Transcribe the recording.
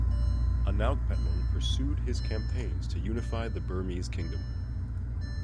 Anaukpetlun pursued his campaigns to unify the Burmese kingdom.